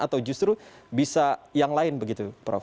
atau justru bisa yang lain begitu prof